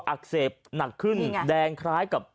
อักเสบหนักขึ้นแดงคล้ายกับ